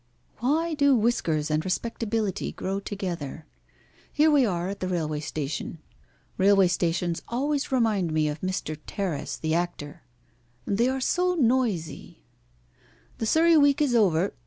Why do whiskers and respectability grow together? Here we are at the railway station. Railway stations always remind me of Mr. Terriss, the actor. They are so noisy. The Surrey week is over.